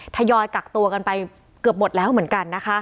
ทยอยกักตัวกันไปเกือบหมดแล้วเหมือนกันนะคะ